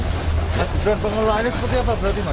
tujuan pengelolaannya seperti apa berarti mas